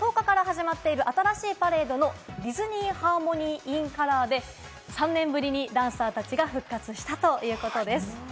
新しいパレード、ディズニー・ハーモニー・イン・カラーで３年ぶりにダンサーたちが復活したということです。